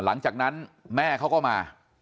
หลังจากนั้นแม่เขาก็มา